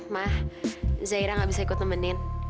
mah zaira gak bisa ikut nemenin